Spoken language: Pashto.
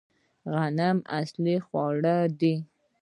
غنم اصلي خواړه دي